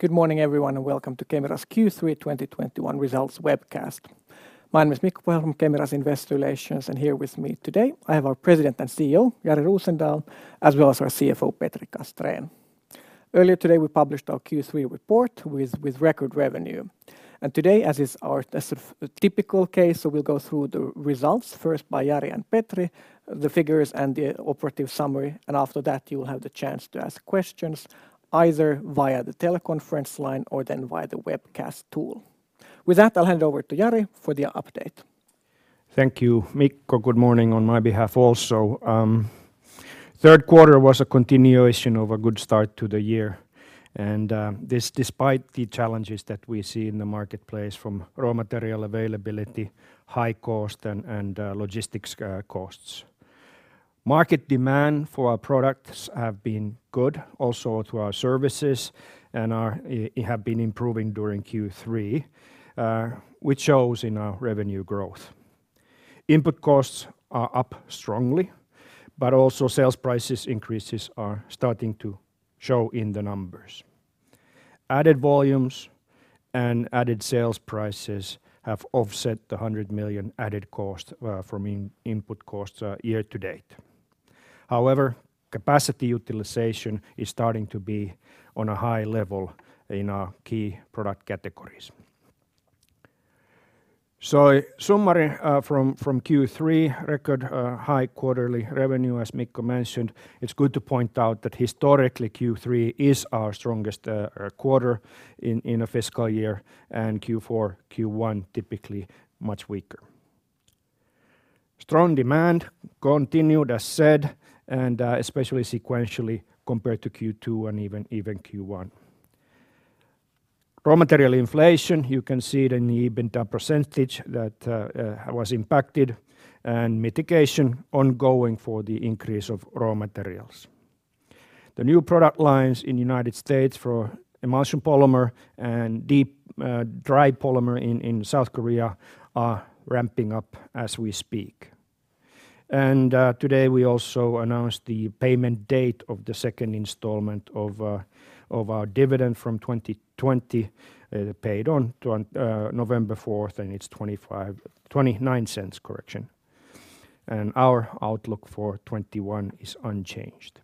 Good morning everyone and welcome to Kemira's Q3 2021 Results Webcast. My name is Mikko from Kemira's Investor Relations, and here with me today I have our President and CEO, Jari Rosendal, as well as our CFO, Petri Castrén. Earlier today, we published our Q3 report with record revenue. Today, as is our typical case, we'll go through the results first by Jari and Petri, the figures and the operative summary, and after that you will have the chance to ask questions either via the teleconference line or then via the webcast tool. With that, I'll hand over to Jari for the update. Thank you, Mikko. Good morning on my behalf also. Third quarter was a continuation of a good start to the year and this despite the challenges that we see in the marketplace from raw material availability, high cost and logistics costs. Market demand for our products has been good also for our services and it has been improving during Q3, which shows in our revenue growth. Input costs are up strongly, but also sales price increases are starting to show in the numbers. Added volumes and added sales prices have offset the 100 million added cost from input costs year to date. However, capacity utilization is starting to be on a high level in our key product categories. In summary, from Q3, record high quarterly revenue, as Mikko mentioned. It's good to point out that historically Q3 is our strongest quarter in a fiscal year, and Q4, Q1 typically much weaker. Strong demand continued as said, and especially sequentially compared to Q2 and even Q1. Raw material inflation, you can see it in the EBITDA percentage that was impacted and mitigation ongoing for the increase of raw materials. The new product lines in United States for emulsion polymer and dry polymer in South Korea are ramping up as we speak. Today we also announced the payment date of the second installment of our dividend from 2020 paid on November 4th, and it's 0.29, correction. Our outlook for 2021 is unchanged.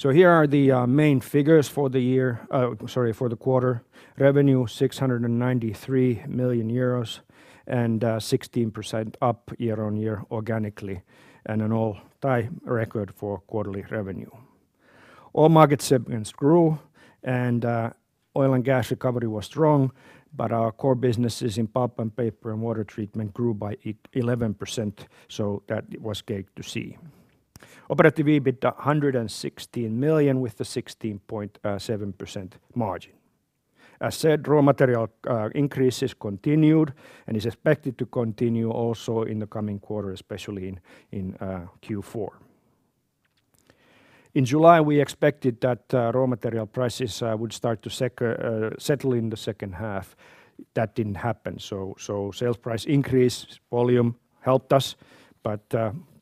Here are the main figures for the year. Sorry, for the quarter. Revenue 693 million euros and 16% up year-on-year organically, and an all-time record for quarterly revenue. All market segments grew and oil and gas recovery was strong, but our core businesses in Pulp & Paper and water treatment grew by 11%, so that was great to see. Operative EBITDA 116 million with a 16.7% margin. As said, raw material increases continued and is expected to continue also in the coming quarter, especially in Q4. In July, we expected that raw material prices would start to settle in the second half. That didn't happen, so sales price increase volume helped us. But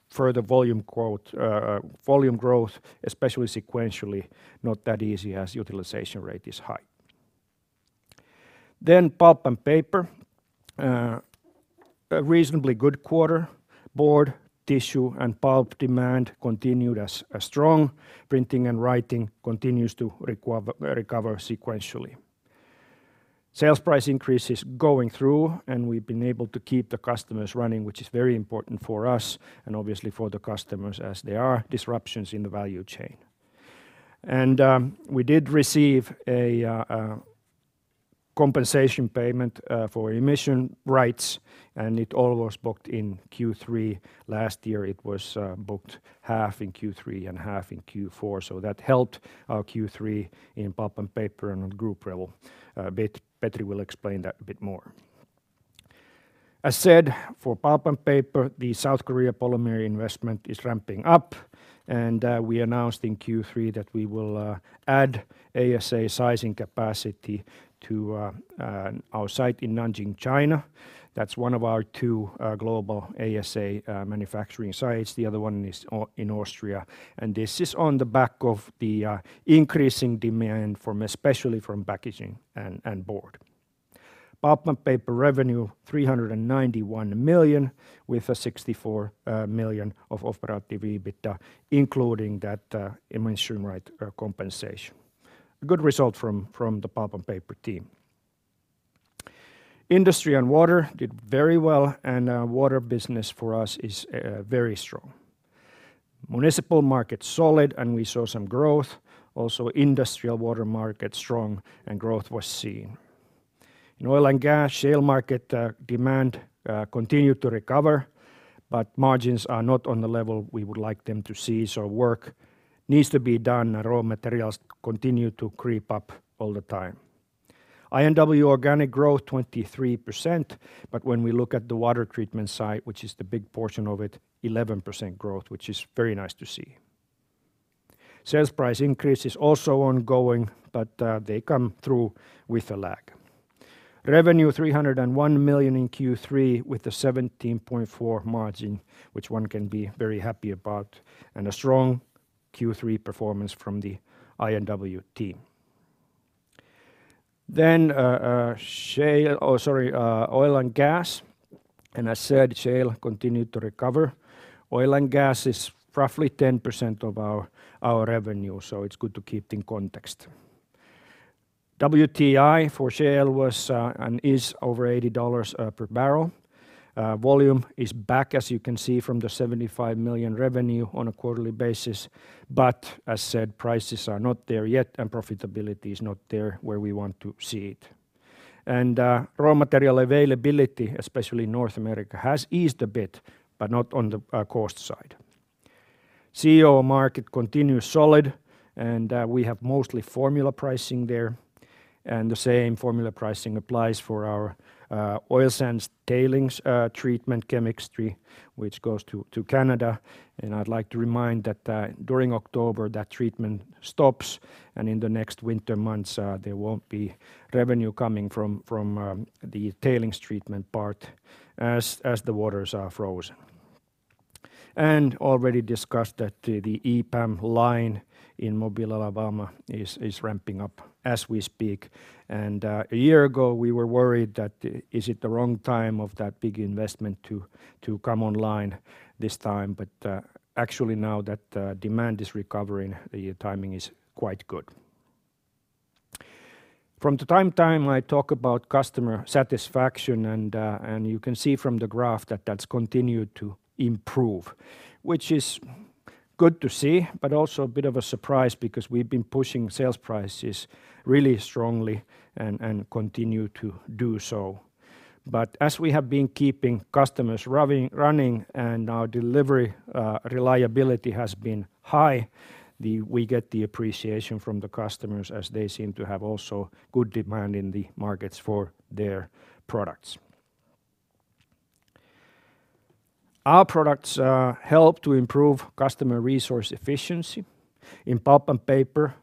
further volume growth, especially sequentially, not that easy as utilization rate is high. Pulp & Paper. A reasonably good quarter. Board, tissue and pulp demand continued as strong. Printing and writing continues to recover sequentially. Sales price increase is going through and we've been able to keep the customers running, which is very important for us and obviously for the customers as there are disruptions in the value chain. We did receive a compensation payment for emission rights and it all was booked in Q3. Last year it was booked half in Q3 and half in Q4. That helped our Q3 in Pulp & Paper and group level a bit. Petri will explain that a bit more. As said, for Pulp & Paper, the South Korean polymer investment is ramping up and we announced in Q3 that we will add ASA sizing capacity to our site in Nanjing, China. That's one of our two global ASA manufacturing sites. The other one is in Austria. This is on the back of the increasing demand from, especially from packaging and board. Pulp & Paper revenue 391 million with 64 million of operative EBITDA, including that emission rights compensation. A good result from the Pulp & Paper team. Industry & Water did very well and water business for us is very strong. Municipal market solid and we saw some growth. Also industrial water market strong and growth was seen. In oil and gas shale market demand continued to recover, but margins are not on the level we would like them to see, so work needs to be done and raw materials continue to creep up all the time. I&W organic growth 23%, but when we look at the water treatment side, which is the big portion of it, 11% growth, which is very nice to see. Sales price increase is also ongoing, but they come through with a lag. Revenue 301 million in Q3 with a 17.4% margin, which one can be very happy about, and a strong Q3 performance from the I&W team. Oil and gas. As said, shale continued to recover. Oil and gas is roughly 10% of our revenue, so it's good to keep in context. WTI for shale was and is over $80 per barrel. Volume is back, as you can see, from the 75 million revenue on a quarterly basis. As said, prices are not there yet, and profitability is not there where we want to see it. Raw material availability, especially in North America, has eased a bit, but not on the cost side. Caustic market continues solid, and we have mostly formula pricing there. The same formula pricing applies for our oil sands tailings treatment chemistry, which goes to Canada. I'd like to remind that during October, that treatment stops, and in the next winter months, there won't be revenue coming from the tailings treatment part as the waters are frozen. Already discussed that the EPAM line in Mobile, Alabama, is ramping up as we speak. A year ago, we were worried that is it the wrong time for that big investment to come online this time. Actually now that demand is recovering, the timing is quite good. From the time I talk about customer satisfaction and you can see from the graph that that's continued to improve, which is good to see, but also a bit of a surprise because we've been pushing sales prices really strongly and continue to do so. As we have been keeping customers running and our delivery reliability has been high, we get the appreciation from the customers as they seem to have also good demand in the markets for their products. Our products help to improve customer resource efficiency. In Pulp & Paper,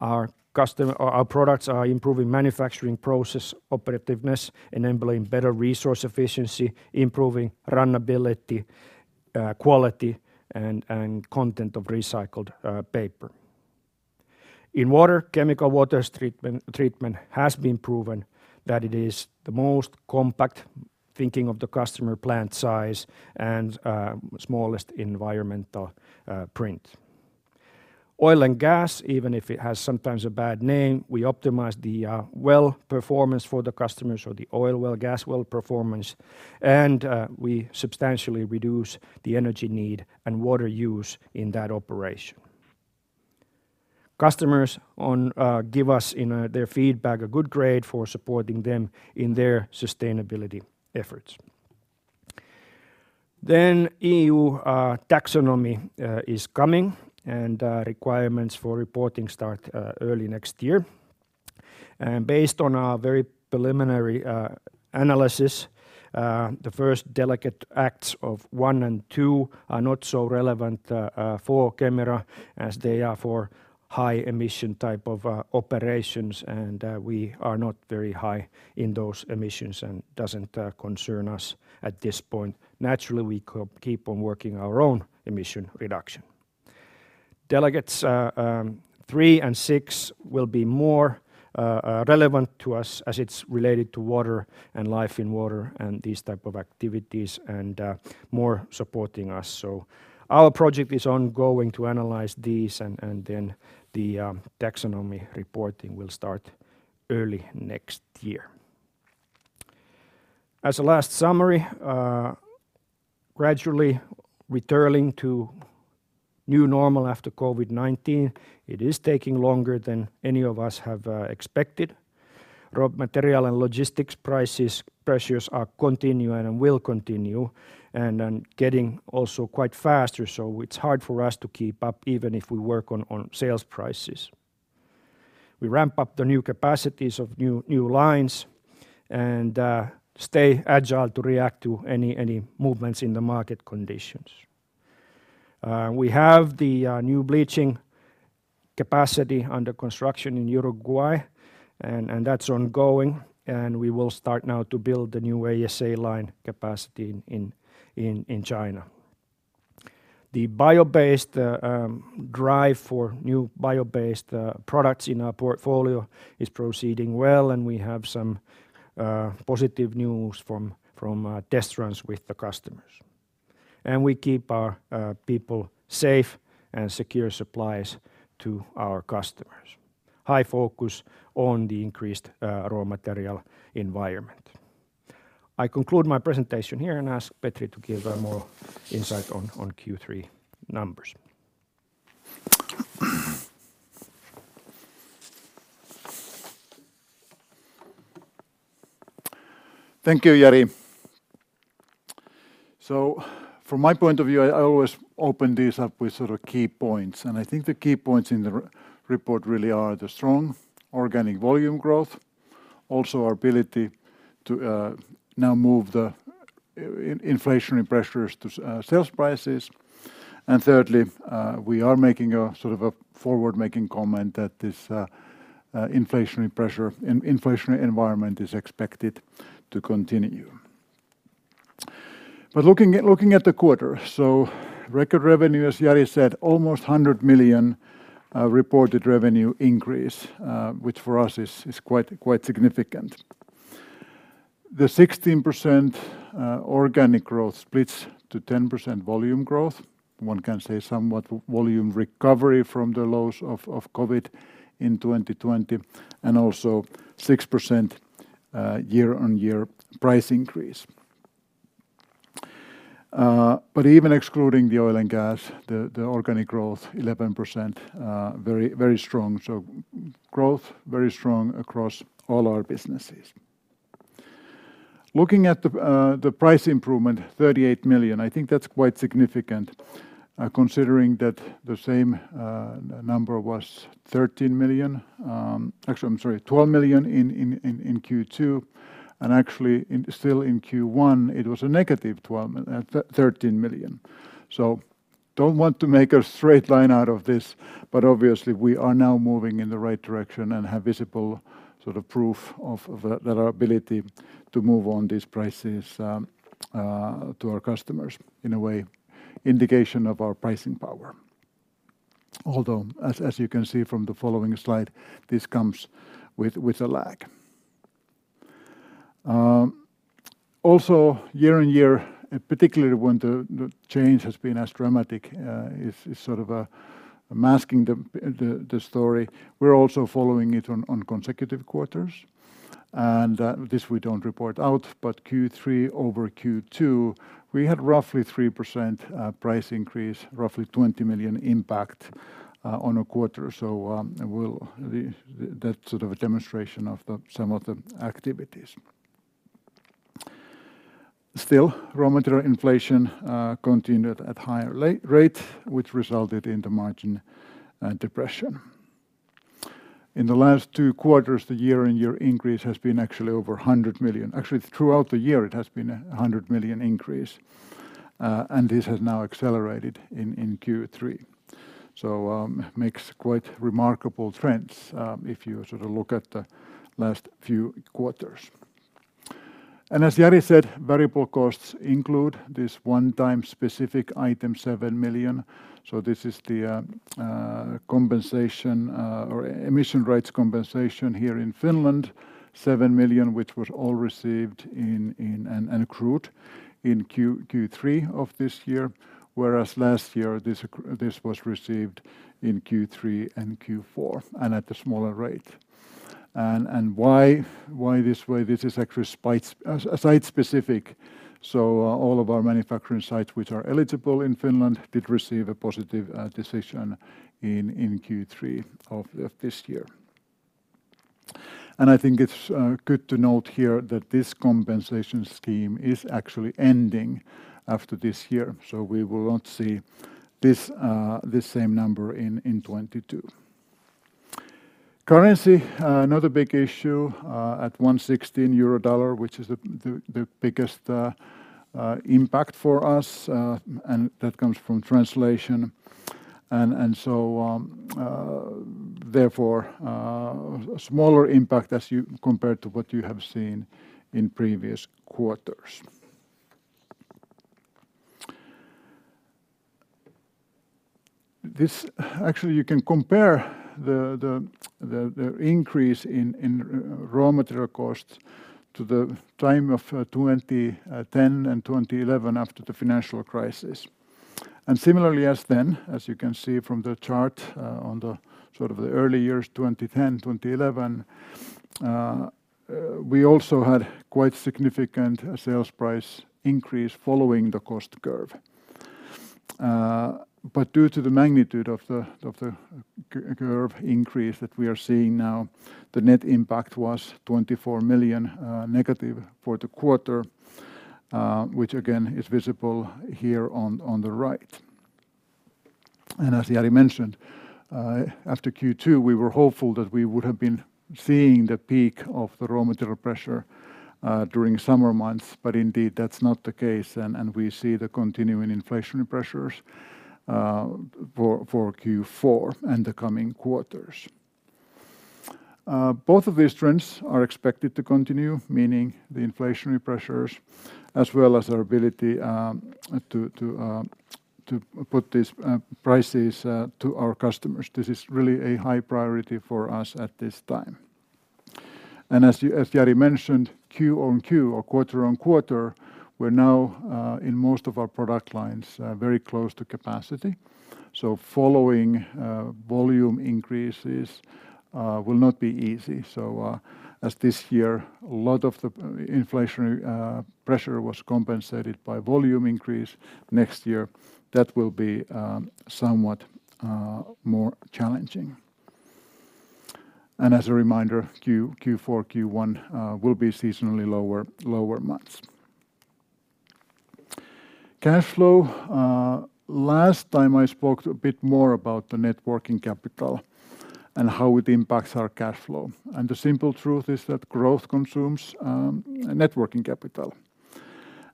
our products are improving manufacturing process operativeness, enabling better resource efficiency, improving runnability, quality, and content of recycled paper. In Water, chemical water treatment has been proven that it is the most compact, thinking of the customer plant size and smallest environmental footprint. Oil and gas, even if it has sometimes a bad name, we optimize the well performance for the customers or the oil well, gas well performance, and we substantially reduce the energy need and water use in that operation. Customers give us, you know, their feedback a good grade for supporting them in their sustainability efforts. EU Taxonomy is coming and requirements for reporting start early next year. Based on our very preliminary analysis, the first Delegated Acts of one and two are not so relevant for Kemira as they are for high emission type of operations, and we are not very high in those emissions and doesn't concern us at this point. Naturally, we keep on working our own emission reduction. Delegated Acts three and six will be more relevant to us as it's related to water and life in water and these type of activities and more supporting us. Our project is ongoing to analyze these and then the taxonomy reporting will start early next year. As a last summary, gradually returning to new normal after COVID-19, it is taking longer than any of us have expected. Raw material and logistics price pressures are continuing and will continue, getting also quite faster. It's hard for us to keep up even if we work on sales prices. We ramp up the new capacities of new lines and stay agile to react to any movements in the market conditions. We have the new bleaching capacity under construction in Uruguay and that's ongoing, and we will start now to build the new ASA line capacity in China. The bio-based drive for new bio-based products in our portfolio is proceeding well, and we have some positive news from test runs with the customers. We keep our people safe and secure supplies to our customers. High focus on the increased raw material environment. I conclude my presentation here and ask Petri to give more insight on Q3 numbers. Thank you, Jari. From my point of view, I always open these up with sort of key points, and I think the key points in the report really are the strong organic volume growth, also our ability to now move the inflationary pressures to sales prices. Thirdly, we are making a sort of a forward-looking comment that this inflationary environment is expected to continue. Looking at the quarter, record revenue, as Jari said, almost 100 million reported revenue increase, which for us is quite significant. The 16% organic growth splits to 10% volume growth. One can say somewhat volume recovery from the lows of COVID in 2020, and also 6% year-on-year price increase. Even excluding the oil and gas, the organic growth 11%, very strong. Growth very strong across all our businesses. Looking at the price improvement, 38 million, I think that's quite significant, considering that the same number was 13 million. Actually, I'm sorry, 12 million in Q2, and actually in Q1, it was a negative 13 million. Don't want to make a straight line out of this, but obviously we are now moving in the right direction and have visible sort of proof of that our ability to move on these prices to our customers, in a way indication of our pricing power. Although as you can see from the following slide, this comes with a lag. Also year-on-year, particularly when the change has been as dramatic, is sort of masking the story. We're also following it on consecutive quarters, and this we don't report out, but Q3 over Q2, we had roughly 3% price increase, roughly 20 million impact on a quarter. That's sort of a demonstration of some of the activities. Still, raw material inflation continued at higher rate, which resulted in the margin depression. In the last two quarters, the year-on-year increase has been actually over 100 million. Actually, throughout the year, it has been a 100 million increase, and this has now accelerated in Q3. Makes quite remarkable trends, if you sort of look at the last few quarters. As Jari said, variable costs include this one-time specific item, 7 million. This is the compensation or emission rights compensation here in Finland, 7 million, which was all received in and accrued in Q3 of this year, whereas last year this was received in Q3 and Q4, and at a smaller rate. Why this way? This is actually site-specific. All of our manufacturing sites which are eligible in Finland did receive a positive decision in Q3 of this year. I think it's good to note here that this compensation scheme is actually ending after this year, so we will not see this same number in 2022. Currency another big issue at 1.16 euro per dollar, which is the biggest impact for us, and that comes from translation. smaller impact compared to what you have seen in previous quarters. Actually, you can compare the increase in raw material costs to the time of 2010 and 2011 after the financial crisis. Similarly as then, as you can see from the chart, on the sort of the early years, 2010, 2011, we also had quite significant sales price increase following the cost curve. Due to the magnitude of the S-curve increase that we are seeing now, the net impact was 24 million negative for the quarter, which again is visible here on the right. As Jari mentioned, after Q2, we were hopeful that we would have been seeing the peak of the raw material pressure during summer months, but indeed that's not the case and we see the continuing inflationary pressures for Q4 and the coming quarters. Both of these trends are expected to continue, meaning the inflationary pressures as well as our ability to put these prices to our customers. This is really a high priority for us at this time. As Jari mentioned, QoQ or quarter on quarter, we're now in most of our product lines very close to capacity. Following volume increases will not be easy. As this year, a lot of the inflationary pressure was compensated by volume increase. Next year, that will be somewhat more challenging. As a reminder, Q4, Q1 will be seasonally lower months. Cash flow. Last time I spoke a bit more about the net working capital and how it impacts our cash flow. The simple truth is that growth consumes Net Working Capital.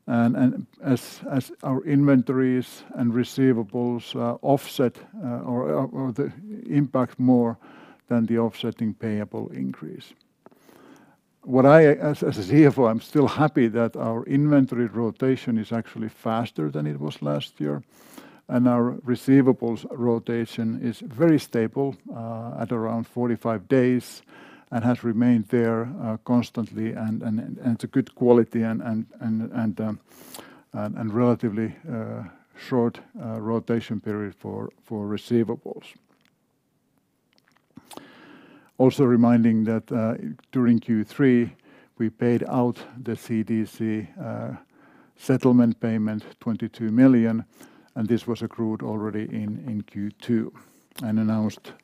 As our inventories and receivables offset or the impact more than the offsetting payable increase. As a CFO, I'm still happy that our inventory rotation is actually faster than it was last year, and our receivables rotation is very stable at around 45 days and has remained there constantly and it's a good quality and relatively short rotation period for receivables. Also reminding that during Q3, we paid out the CDC settlement payment, 22 million, and this was accrued already in Q2 and announced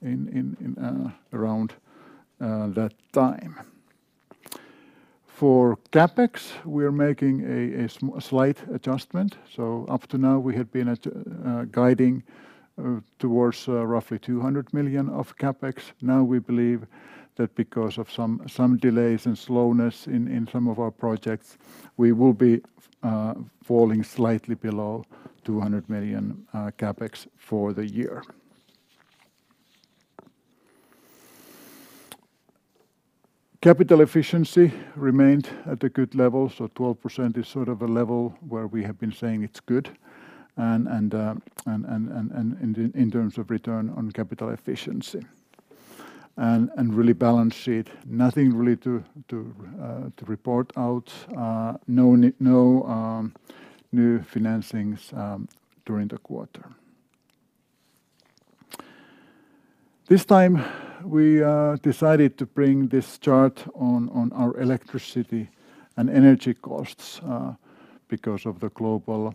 around that time. For CapEx, we are making a slight adjustment. Up to now, we had been guiding towards roughly 200 million of CapEx. Now we believe that because of some delays and slowness in some of our projects, we will be falling slightly below 200 million CapEx for the year. Capital efficiency remained at a good level, so 12% is sort of a level where we have been saying it's good and in terms of return on capital efficiency. Really balance sheet, nothing really to report out. No new financings during the quarter. This time we decided to bring this chart on our electricity and energy costs because of the global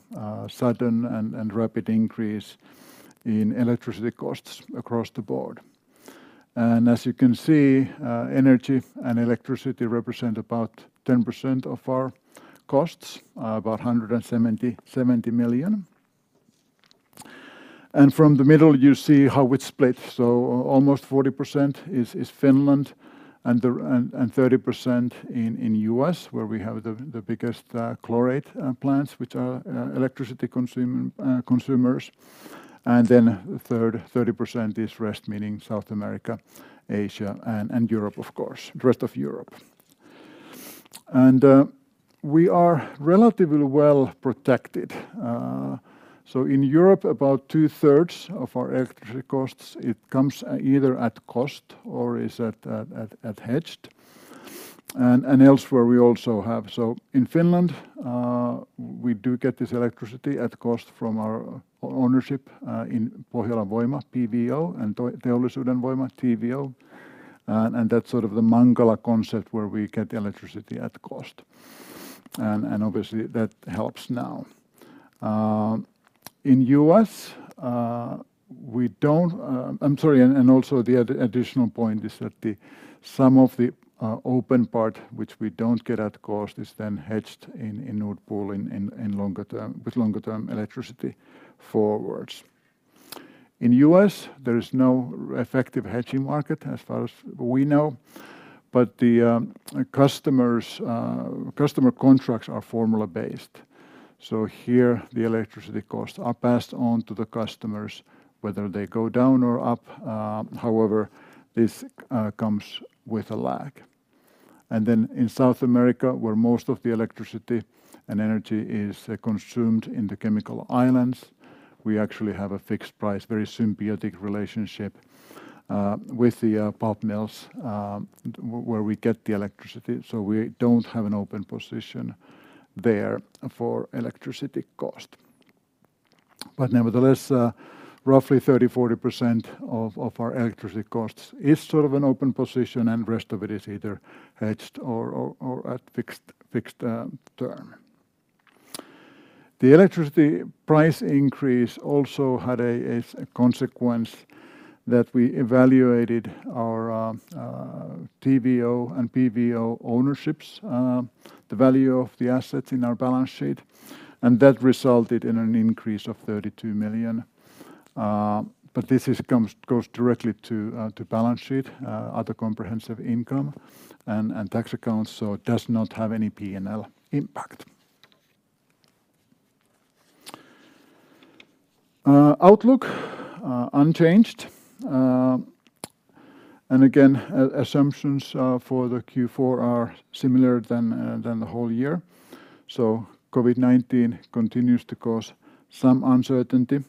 sudden and rapid increase in electricity costs across the board. As you can see, energy and electricity represent about 10% of our costs, about 170 million. From the middle, you see how it's split. Almost 40% is Finland and 30% in the U.S., where we have the biggest chlorate plants which are electricity consumers. Then 30% is rest, meaning South America, Asia and Europe of course, rest of Europe. We are relatively well protected. In Europe, about 2/3 of our electricity costs come either at cost or is hedged and elsewhere we also have. In Finland, we do get this electricity at cost from our ownership in Pohjolan Voima, PVO, and Teollisuuden Voima, TVO, and that's sort of the Mankala concept where we get electricity at cost, and obviously that helps now. In the U.S., we don't... I'm sorry and also the additional point is that some of the open part which we don't get at cost is then hedged in Nord Pool in longer term with longer term electricity forwards. In the U.S., there is no effective hedging market as far as we know, but the customer contracts are formula-based. Here the electricity costs are passed on to the customers whether they go down or up. However, this comes with a lag. In South America, where most of the electricity and energy is consumed in the Chemical Islands, we actually have a fixed price, very symbiotic relationship with the pulp mills where we get the electricity, so we don't have an open position there for electricity cost. Nevertheless, roughly 30%-40% of our electricity costs is sort of an open position, and rest of it is either hedged or at fixed term. The electricity price increase also had a consequence that we evaluated our TVO and PVO ownerships, the value of the assets in our balance sheet, and that resulted in an increase of 32 million. This goes directly to balance sheet, other comprehensive income and tax accounts, so it does not have any P&L impact. Outlook unchanged. Again, assumptions for the Q4 are similar than the whole year. COVID-19 continues to cause some uncertainty,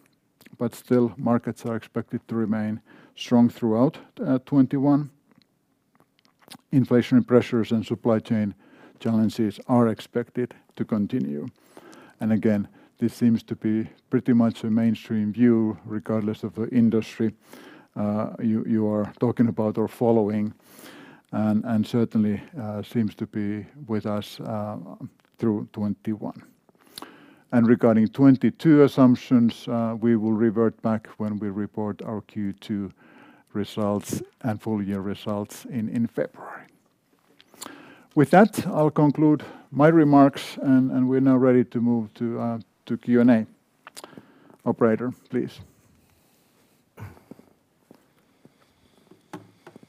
but still markets are expected to remain strong throughout 2021. Inflation pressures and supply chain challenges are expected to continue. Again, this seems to be pretty much a mainstream view regardless of the industry you are talking about or following and certainly seems to be with us through 2021. Regarding 2022 assumptions, we will revert back when we report our Q2 results and full year results in February. With that, I'll conclude my remarks and we're now ready to move to Q&A. Operator, please.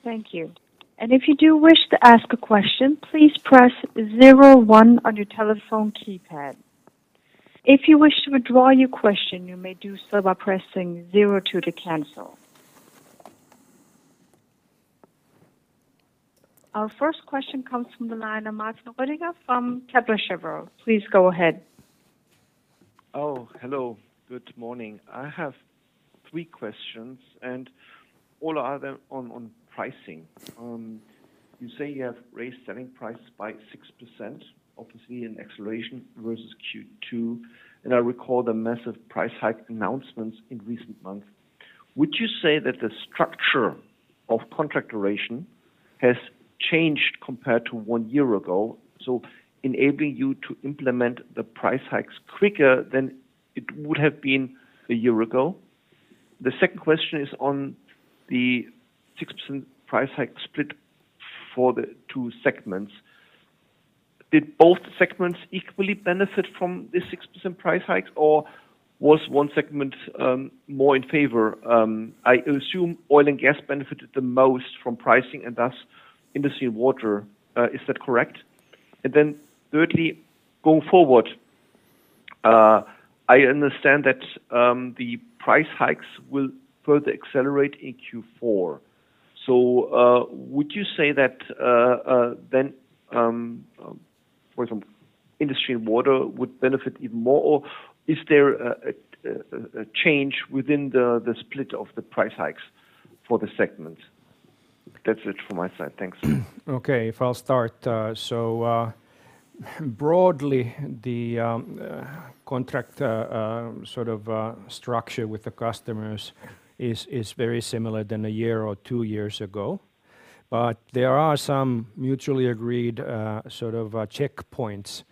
Our first question comes from the line of Martin Roediger from Kepler Cheuvreux. Please go ahead. Oh, hello. Good morning. I have three questions, and all are on pricing. You say you have raised selling price by 6%, obviously an acceleration versus Q2, and I recall the massive price hike announcements in recent months. Would you say that the structure of contract duration has changed compared to one year ago, so enabling you to implement the price hikes quicker than it would have been a year ago? The second question is on the 6% price hike split for the two segments. Did both segments equally benefit from the 6% price hike or was one segment more in favor? I assume oil and gas benefited the most from pricing and thus Industry & Water. Is that correct? Then thirdly, going forward, I understand that the price hikes will further accelerate in Q4. Would you say that for example, Industry & Water would benefit even more, or is there a change within the split of the price hikes for the segments? That's it from my side. Thanks. Okay. I'll start. Broadly the contract sort of structure with the customers is very similar to a year or two years ago. There are some mutually agreed sort of checkpoints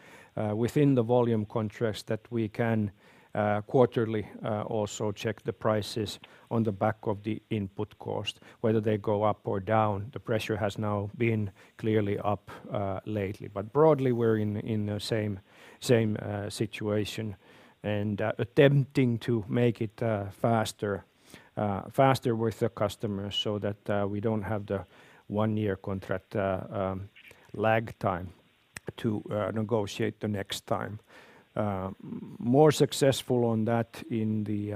within the volume contracts that we can quarterly also check the prices on the back of the input cost, whether they go up or down. The pressure has now been clearly up lately. Broadly, we're in the same situation and attempting to make it faster with the customers so that we don't have the one-year contract lag time to negotiate the next time. More successful on that in the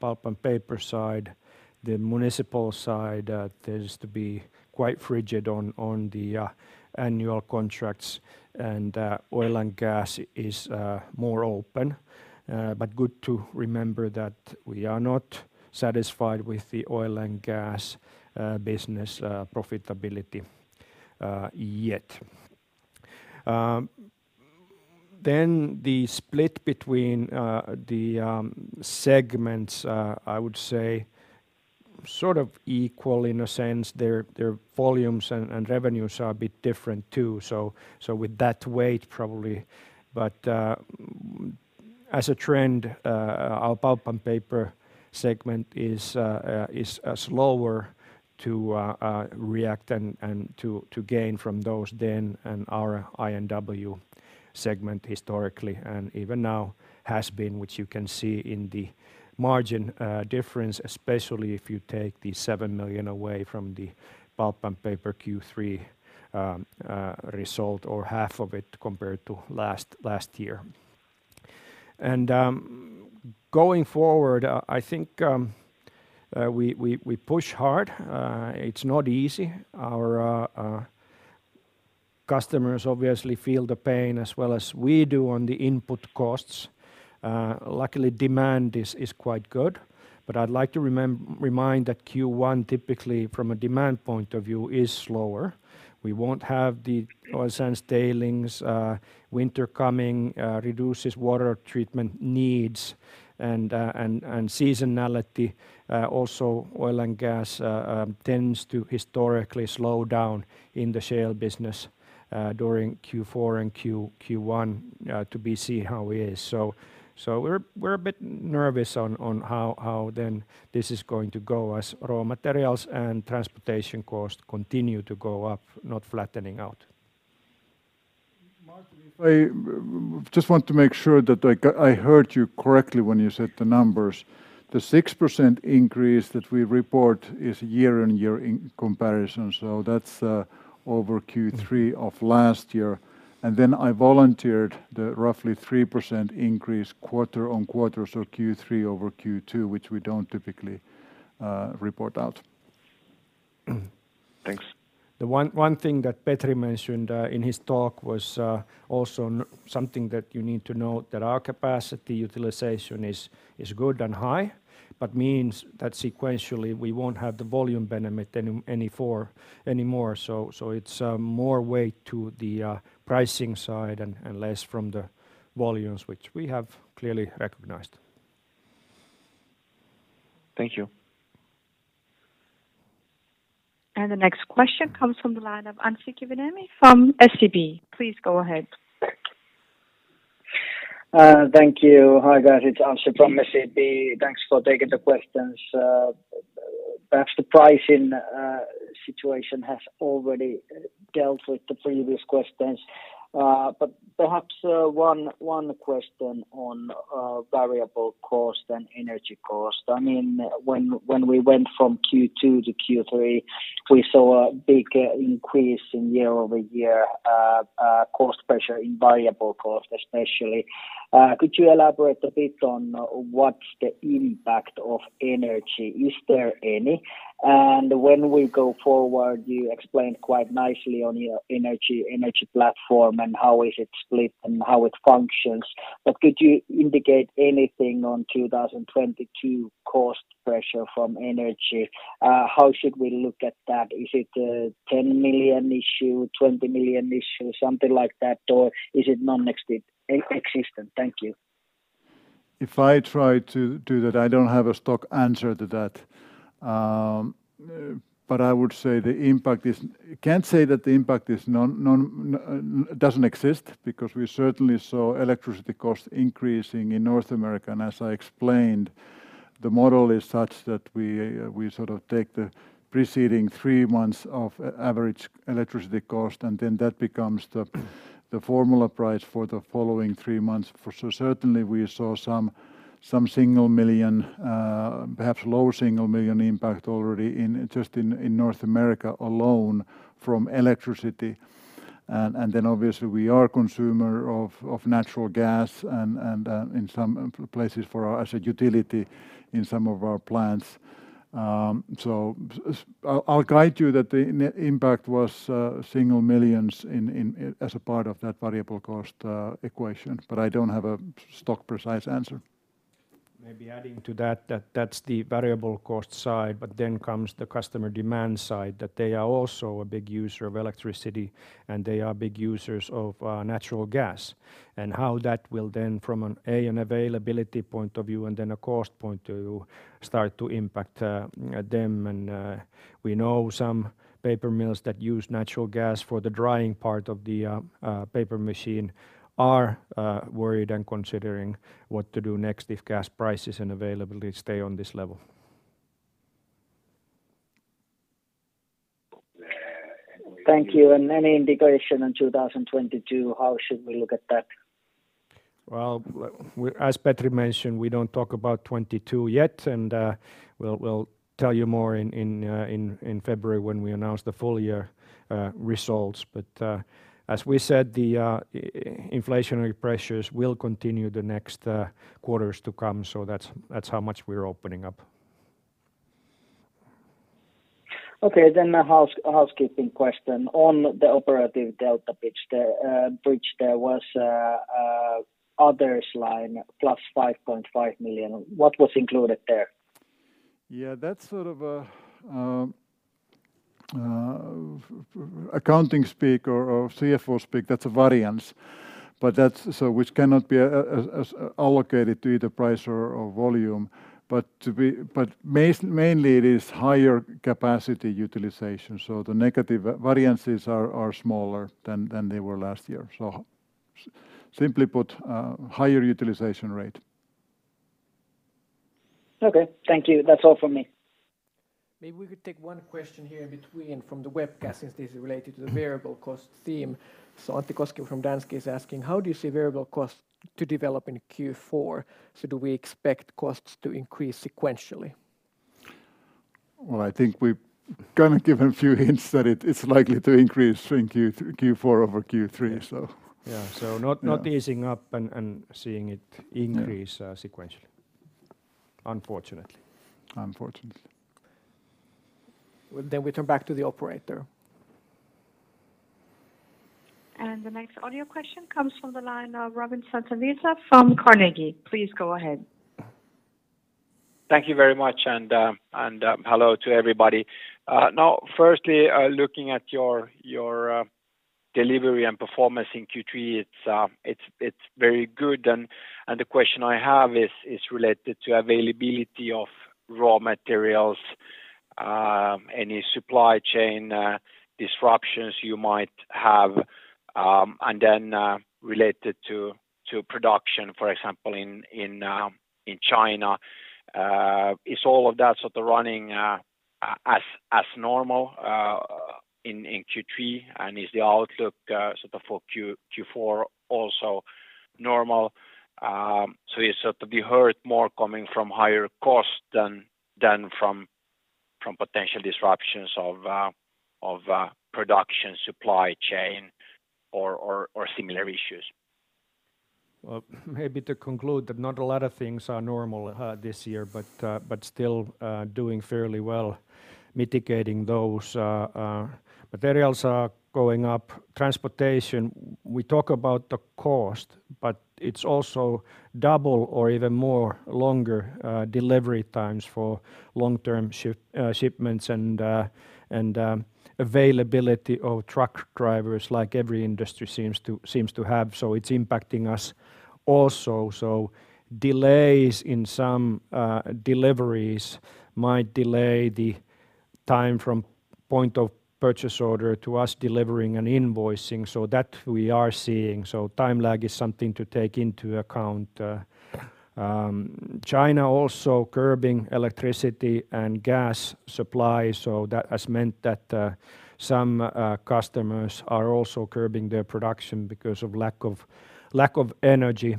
Pulp & Paper side. The municipal side tends to be quite rigid on the annual contracts, and oil and gas is more open. Good to remember that we are not satisfied with the oil and gas business profitability yet. The split between the segments, I would say, sort of equal in a sense. Their volumes and revenues are a bit different too, so with that weight probably. As a trend, our Pulp & Paper segment is slower to react and to gain from those than in our I&W segment historically, and even now has been, which you can see in the margin difference, especially if you take the 7 million away from the Pulp & Paper Q3 result or half of it compared to last year. Going forward, I think we push hard. It's not easy. Our customers obviously feel the pain as well as we do on the input costs. Luckily, demand is quite good, but I'd like to remind that Q1 typically from a demand point of view is slower. We won't have the oil sands tailings. Winter coming reduces water treatment needs and seasonality. Also oil and gas tends to historically slow down in the shale business during Q4 and Q1, to be seen how it is. We're a bit nervous on how then this is going to go as raw materials and transportation costs continue to go up, not flattening out. Martin, if I just want to make sure that I heard you correctly when you said the numbers. The 6% increase that we report is year-over-year in comparison, so that's over Q3 of last year. Then I volunteered the roughly 3% increase quarter-over-quarter, so Q3 over Q2, which we don't typically report out. Thanks. The one thing that Petri mentioned in his talk was also something that you need to note that our capacity utilization is good and high, but means that sequentially we won't have the volume benefit anymore. It's more weight to the pricing side and less from the volumes which we have clearly recognized. Thank you. The next question comes from the line of Anssi Kiviniemi from SEB. Please go ahead. Thank you. Hi guys, it's Anssi from SEB. Thanks for taking the questions. Perhaps the pricing situation has already dealt with the previous questions. But perhaps one question on variable cost and energy cost. I mean, when we went from Q2 to Q3, we saw a big increase in year-over-year cost pressure in variable cost especially. Could you elaborate a bit on what's the impact of energy? Is there any? And when we go forward, you explained quite nicely on your energy platform and how is it split and how it functions. But could you indicate anything on 2022 cost pressure from energy? How should we look at that? Is it a 10 million issue, 20 million issue, something like that? Or is it non-existent? Thank you. If I try to do that, I don't have a stock answer to that. I would say the impact is. I can't say that the impact doesn't exist because we certainly saw electricity costs increasing in North America. As I explained, the model is such that we sort of take the preceding three months of average electricity cost, and then that becomes the formula price for the following three months. So certainly we saw some single million, perhaps low single million impact already in just in North America alone from electricity. Then obviously we are a consumer of natural gas and in some places as a utility in some of our plants. I'll guide you that the impact was single millions in. as a part of that variable cost equation. I don't have such a precise answer. Maybe adding to that's the variable cost side, but then comes the customer demand side, that they are also a big user of electricity, and they are big users of natural gas. How that will then from an availability point of view and then a cost point of view start to impact them and we know some paper mills that use natural gas for the drying part of the paper machine are worried and considering what to do next if gas prices and availability stay on this level. Thank you. Any indication on 2022, how should we look at that? Well, as Petri mentioned, we don't talk about 2022 yet, and we'll tell you more in February when we announce the full year results. As we said, the inflationary pressures will continue the next quarters to come, so that's how much we're opening up. Okay. A housekeeping question. On the operative EBITDA bridge there was an others line +5.5 million. What was included there? Yeah, that's sort of accounting speak or CFO speak. That's a variance which cannot be allocated to either price or volume. Mainly it is higher capacity utilization, the negative variances are smaller than they were last year. Simply put, higher utilization rate. Okay. Thank you. That's all from me. Maybe we could take one question here from the webcast since this is related to the Mm-hmm variable cost theme. Antti Koskivuori from Danske is asking, "How do you see variable cost to develop in Q4? Do we expect costs to increase sequentially? Well, I think we've kind of given a few hints that it's likely to increase in Q4 over Q3, so. Yeah. Yeah not easing up and seeing it increase. No Sequentially, unfortunately. Unfortunately. We turn back to the operator. The next audio question comes from the line of Robin Santavirta from Carnegie. Please go ahead. Thank you very much and hello to everybody. Now firstly, looking at your delivery and performance in Q3, it's very good. The question I have is related to availability of raw materials, any supply chain disruptions you might have, and then related to production, for example, in China. Is all of that sort of running as normal in Q3? And is the outlook sort of for Q4 also normal? Is sort of the hurt more coming from higher costs than from potential disruptions of production supply chain or similar issues? Well, maybe to conclude that not a lot of things are normal this year, but still doing fairly well mitigating those. Materials are going up. Transportation, we talk about the cost, but it's also double or even more longer delivery times for long-term shipments and availability of truck drivers like every industry seems to have. It's impacting us also. Delays in some deliveries might delay the time from point of purchase order to us delivering and invoicing so that we are seeing. Time lag is something to take into account. China also curbing electricity and gas supply, so that has meant that some customers are also curbing their production because of lack of energy.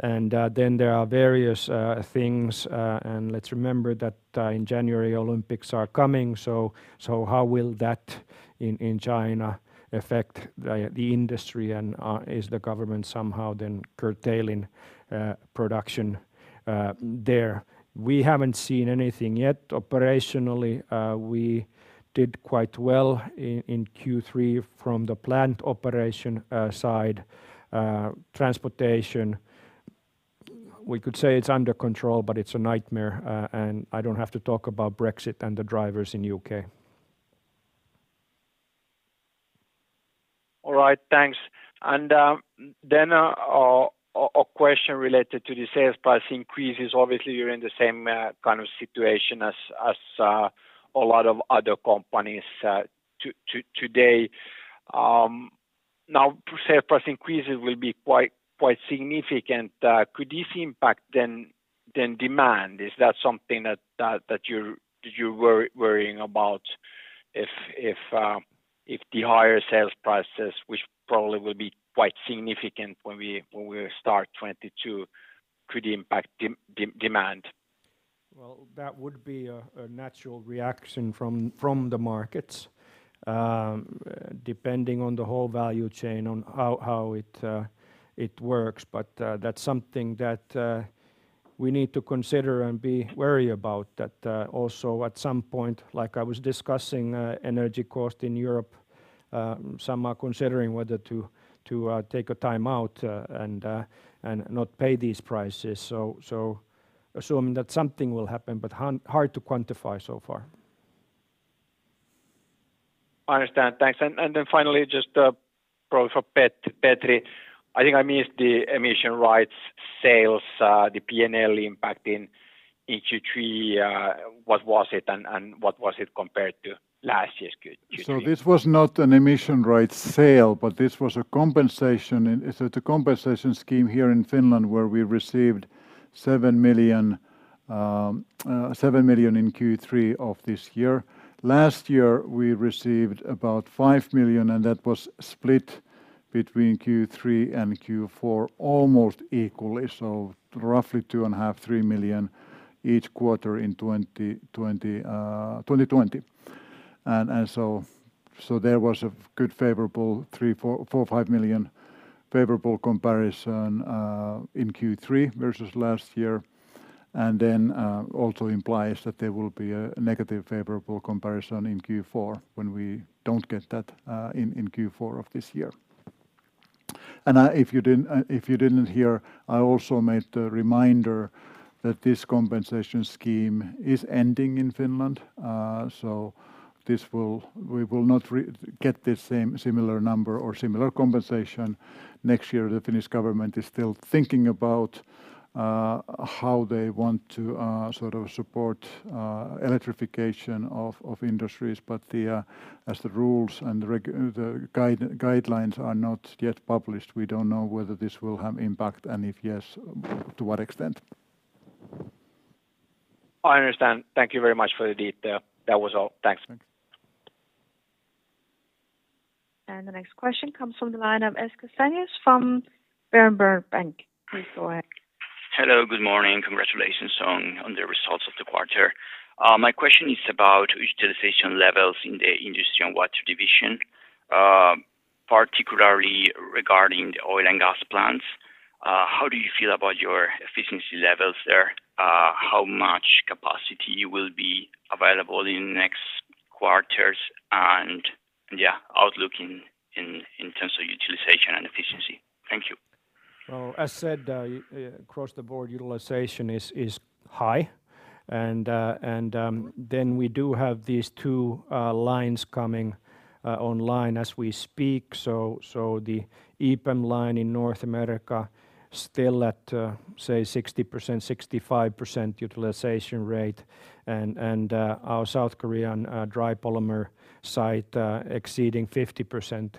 Then there are various things, and let's remember that in January, Olympics are coming. So how will that in China affect the industry and is the government somehow then curtailing production there? We haven't seen anything yet. Operationally, we did quite well in Q3 from the plant operation side. Transportation, we could say it's under control, but it's a nightmare. I don't have to talk about Brexit and the drivers in U.K. All right. Thanks. Then a question related to the sales price increases. Obviously, you're in the same kind of situation as a lot of other companies today. Now sales price increases will be quite significant. Could this impact demand? Is that something that you're worrying about if the higher sales prices, which probably will be quite significant when we start 2022 could impact demand? Well, that would be a natural reaction from the markets, depending on the whole value chain on how it works. That's something that we need to consider and be wary about that also at some point, like I was discussing, energy cost in Europe, some are considering whether to take a time out and not pay these prices. Assuming that something will happen, but hard to quantify so far. I understand. Thanks. Finally, just probably for Petri, I think I missed the emission rights sales, the P&L impact in Q3. What was it and what was it compared to last year's Q3? This was not an emission rights sale, but this was a compensation. It's a compensation scheme here in Finland, where we received 7 million in Q3 of this year. Last year, we received about 5 million, and that was split between Q3 and Q4 almost equally. Roughly 2.5-3 million each quarter in 2020. There was a good favorable 3-5 million favorable comparison in Q3 versus last year. Then also implies that there will be a negative favorable comparison in Q4 when we don't get that in Q4 of this year. If you didn't hear, I also made a reminder that this compensation scheme is ending in Finland. We will not get the same similar number or similar compensation next year. The Finnish government is still thinking about how they want to sort of support electrification of industries. As the rules and the guidelines are not yet published, we don't know whether this will have impact, and if yes, to what extent. I understand. Thank you very much for the detail. That was all. Thanks. Thanks. The next question comes from the line of Andrés Castaños from Berenberg Bank. Please go ahead. Hello, good morning. Congratulations on the results of the quarter. My question is about utilization levels in the Industry & Water division, particularly regarding the oil and gas plants. How do you feel about your efficiency levels there? How much capacity will be available in next quarters? Yeah, outlook in terms of utilization and efficiency. Thank you. As said, across the board, utilization is high. We do have these two lines coming online as we speak. The EPAM line in North America still at, say, 60%-65% utilization rate. Our South Korean dry polymer site exceeding 50%.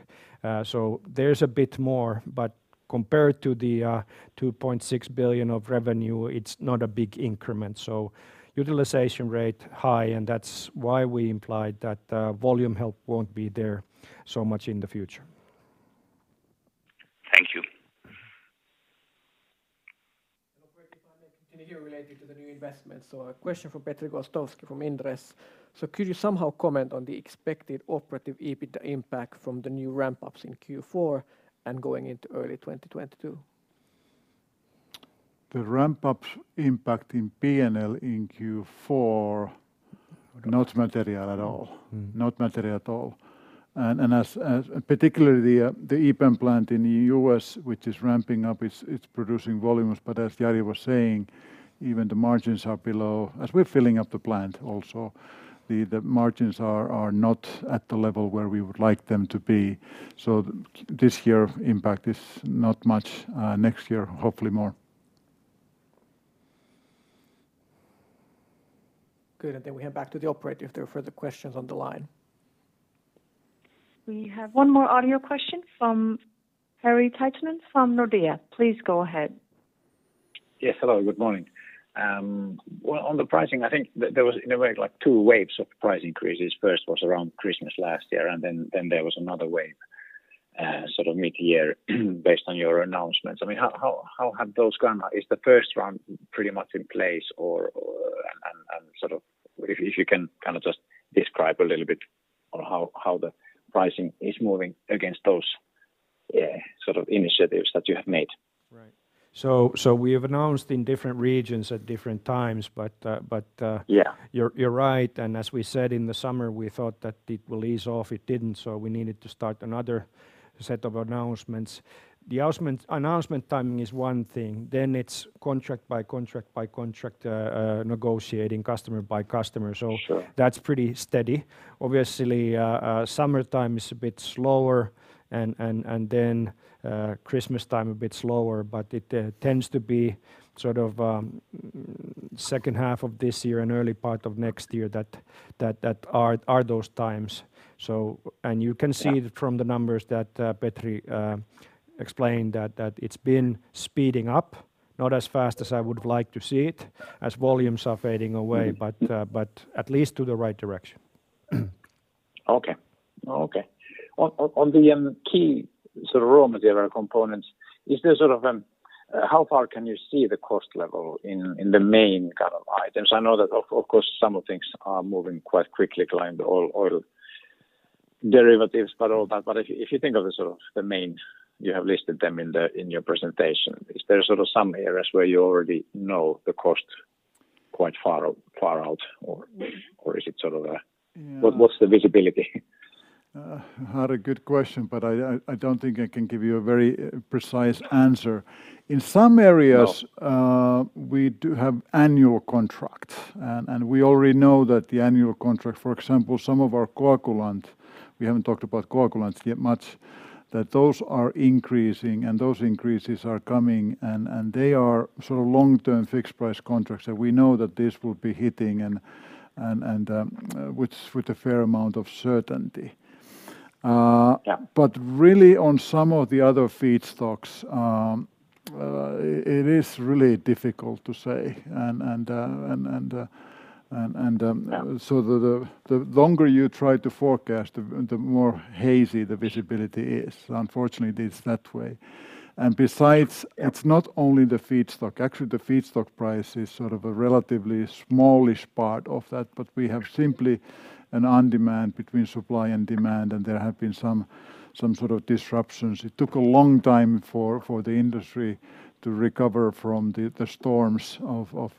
There's a bit more, but compared to the 2.6 billion of revenue, it's not a big increment. Utilization rate high, and that's why we implied that volume help won't be there so much in the future. Thank you. Operating finally continue here related to the new investments. A question for Petri Gostowski from Inderes. Could you somehow comment on the expected operative EBITDA impact from the new ramp-ups in Q4 and going into early 2022? The ramp-up impact in P&L in Q4, not material at all. Mm-hmm. Not material at all. Particularly the EPAM plant in the U.S., which is ramping up its production volumes. As Jari was saying, even the margins are below. As we're filling up the plant also, the margins are not at the level where we would like them to be. This year's impact is not much. Next year, hopefully more. Good. We head back to the operator if there are further questions on the line. We have one more audio question from Harri Taittonen from Nordea. Please go ahead. Yes. Hello, good morning. Well, on the pricing, I think there was in a way, like two waves of price increases. First was around Christmas last year, and then there was another wave, sort of mid-year based on your announcements. I mean, how have those gone? Is the first one pretty much in place? Sort of, if you can kind of just describe a little bit on how the pricing is moving against those sort of initiatives that you have made. Right. We have announced in different regions at different times, but. Yeah You're right. As we said in the summer we thought that it will ease off, it didn't, so we needed to start another set of announcements. The announcement timing is one thing, then it's contract by contract, negotiating customer by customer. Sure... that's pretty steady. Obviously, summertime is a bit slower and then Christmas time a bit slower, but it tends to be sort of second half of this year and early part of next year that are those times. You can see. Yeah... from the numbers that Petri explained that it's been speeding up, not as fast as I would like to see it as volumes are fading away. Mm-hmm. Mm-hmm... at least to the right direction. On the key sort of raw material components, is there sort of how far can you see the cost level in the main kind of items? I know that of course some of things are moving quite quickly like the oil derivatives, but all that. If you think of the sort of the main you have listed them in your presentation, is there sort of some areas where you already know the cost quite far out or is it sort of a- Yeah... what's the visibility? Had a good question, but I don't think I can give you a very precise answer. In some areas. No We do have annual contract and we already know that the annual contract, for example, some of our coagulant. We haven't talked about coagulants yet much, that those are increasing and those increases are coming and they are sort of long-term fixed price contracts that we know that this will be hitting and with a fair amount of certainty. Yeah Really on some of the other feedstocks, it is really difficult to say. Yeah The longer you try to forecast, the more hazy the visibility is. Unfortunately, it's that way. Besides Yeah It's not only the feedstock. Actually, the feedstock price is sort of a relatively smallish part of that, but we have simply an imbalance between supply and demand, and there have been some sort of disruptions. It took a long time for the industry to recover from the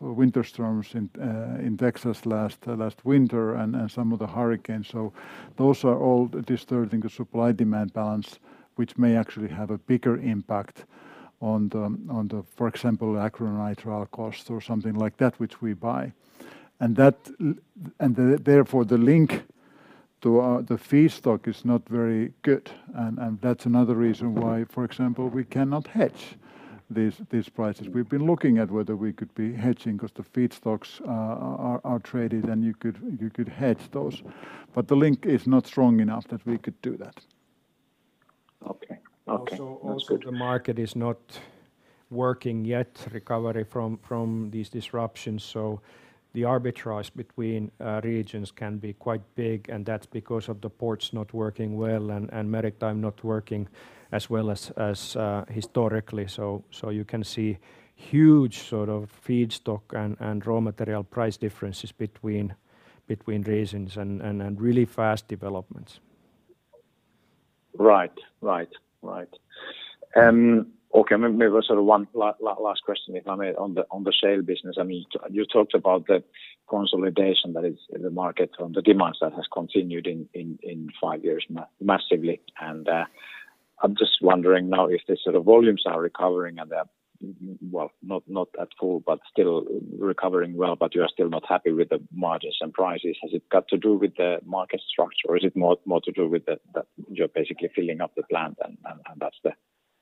winter storms in Texas last winter and some of the hurricanes. Those are all disturbing the supply-demand balance, which may actually have a bigger impact on the, for example, acrylonitrile cost or something like that which we buy. Therefore, the link to the feedstock is not very good. That's another reason why, for example, we cannot hedge these prices. We've been looking at whether we could be hedging 'cause the feedstocks are traded and you could hedge those. The link is not strong enough that we could do that. Okay. Okay. That's good. The market is not yet recovered from these disruptions, so the arbitrage between regions can be quite big, and that's because of the ports not working well and maritime not working as well as historically. You can see huge sort of feedstock and raw material price differences between regions and really fast developments. Right. Okay, maybe sort of one last question if I may on the sale business. I mean, you talked about the consolidation that is in the market on the demands that has continued in five years massively. I'm just wondering now if the sort of volumes are recovering and they're not at full, but still recovering well, but you are still not happy with the margins and prices. Has it got to do with the market structure or is it more to do with the that you're basically filling up the plant and that's the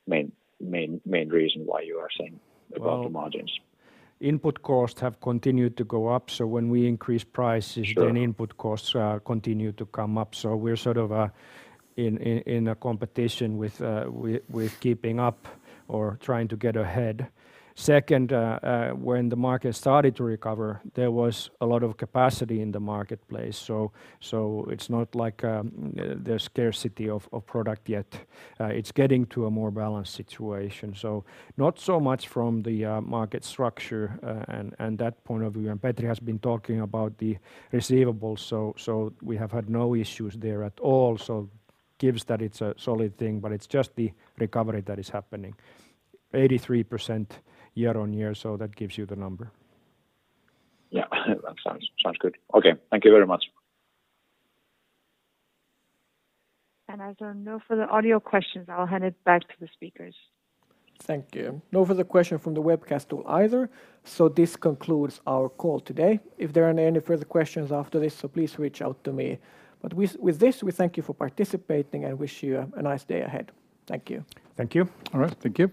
main reason why you are saying about the margins? Well, input costs have continued to go up, so when we increase prices. Sure... then input costs continue to come up. We're sort of in a competition with keeping up or trying to get ahead. Second, when the market started to recover, there was a lot of capacity in the marketplace. It's not like there's scarcity of product yet. It's getting to a more balanced situation. Not so much from the market structure and that point of view. Petri has been talking about the receivables. We have had no issues there at all. Given that it's a solid thing, but it's just the recovery that is happening. 83% year-on-year, that gives you the number. Yeah. That sounds good. Okay. Thank you very much. As there are no further audio questions, I'll hand it back to the speakers. Thank you. No further question from the webcast tool either, so this concludes our call today. If there are any further questions after this, so please reach out to me. With this, we thank you for participating and wish you a nice day ahead. Thank you. Thank you. All right. Thank you.